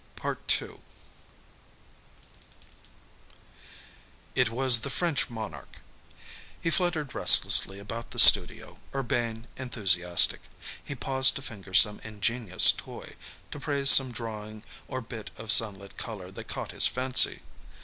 II It was the French monarch. He fluttered restlessly about the studio, urbane, enthusiastic. He paused to finger some ingenious toy, to praise some drawing or bit of sunlit color that caught his fancy.